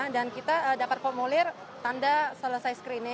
dan kita dapat formulir tanda selesai